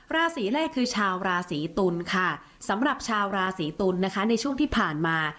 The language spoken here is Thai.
ราศีแรกคือชาวราศีตุลค่ะสำหรับชาวราศีตุลนะคะในช่วงที่ผ่านมา